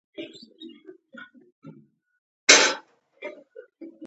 _سپی دروغ وايي!